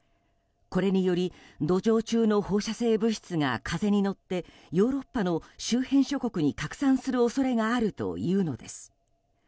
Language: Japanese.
これにより土壌中の放射性物質が風に乗ってヨーロッパの周辺諸国に拡散する恐れがあるというのです。